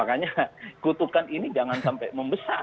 makanya kutukan ini jangan sampai membesar